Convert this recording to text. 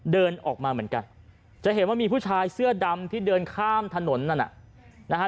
เดินออกมาเหมือนกันจะเห็นว่ามีผู้ชายเสื้อดำที่เดินข้ามถนนนั่นน่ะนะฮะ